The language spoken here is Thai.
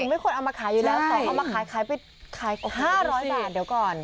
ไม่ควรเอามาขายอยู่แล้วแต่เอามาขายขายไปขาย๕๐๐บาทเดี๋ยวก่อน